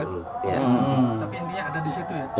iya tapi intinya ada di situ ya